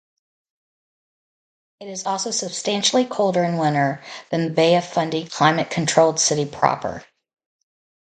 It is also substantially colder in winter than the Bay of Fundy-climate-controlled city proper.